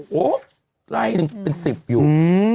โอ้โหไล่เป็นสิบอยู่